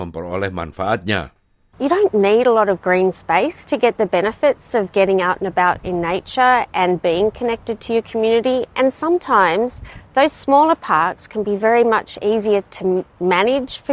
penduduk setempat tidak berpengalaman